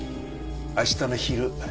明日の昼。